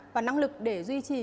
và năng lực để duy trì